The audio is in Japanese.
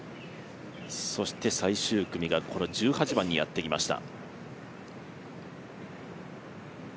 そして最終組が１８番にやってきました。